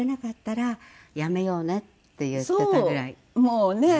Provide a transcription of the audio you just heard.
もうねえ？